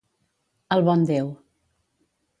El bon Déu.